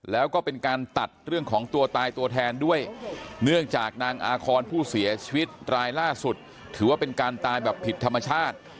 แล้วก็เป็นการตัดเรื่องของตัวตายตัวแทนด้วยเนื่องจากนางอาคอนผู้เสียชีวิตรายล่าสุดถือว่าเป็นการตายแบบผิดธรรมชาติ